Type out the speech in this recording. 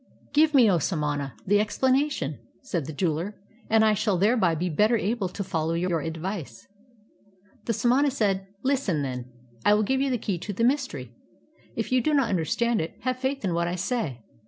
'" "Give me, O samana, the explanation," said the jeweler, "and I shall thereby be better able to follow your ad\'ice." The samana said: "Listen, then; I will give you the key to the myster}'. If you do not imderstand it, have faith in what I say.